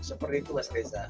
seperti itu mas reza